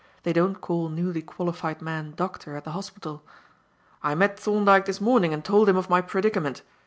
They don't call newly qualified men "doctor" at the hospital.) "I met Thorndyke this morning and told him of my predicament.